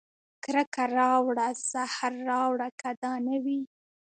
کرکه راوړه زهر راوړه که دا نه وي